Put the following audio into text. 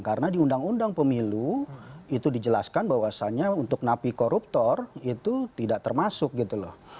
karena di undang undang pemilu itu dijelaskan bahwasannya untuk napi koruptor itu tidak termasuk gitu loh